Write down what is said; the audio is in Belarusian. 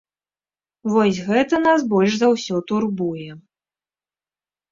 Вось гэта нас больш за ўсё турбуе.